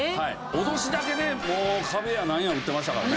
脅しだけでもう壁やなんや撃ってましたからね。